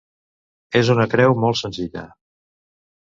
És una creu molt senzilla.